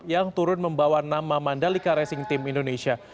yang turun membawa nama mandalika racing team indonesia